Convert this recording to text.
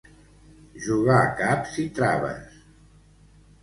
Jugar caps i traves.